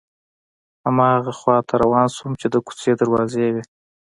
هماغه خواته روان شوم چې د کوڅې دروازې وې.